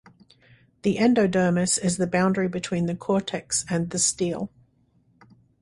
The endodermis is the boundary between the cortex and the stele.